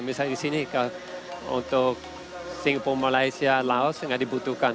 misalnya di sini untuk singpo malaysia laos nggak dibutuhkan